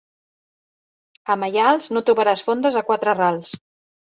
A Maials, no trobaràs fondes a quatre rals.